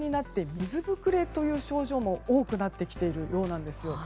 水膨れという症状も多くなってきているようなんです。